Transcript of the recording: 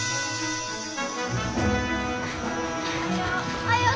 おはよう。